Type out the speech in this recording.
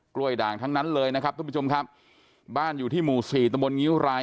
ด่างทั้งนั้นเลยนะครับทุกผู้ชมครับบ้านอยู่ที่หมู่สี่ตะมนตงิ้วราย